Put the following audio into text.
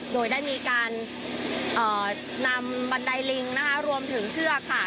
โดยได้มีการนำบันไดลิงนะคะรวมถึงเชือกค่ะ